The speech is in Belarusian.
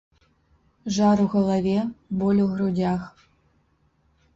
Жар у галаве, боль у грудзях.